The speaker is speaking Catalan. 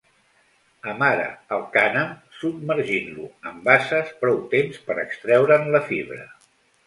Amara el cànem submergint-lo en basses prou temps per extreure'n la fibra.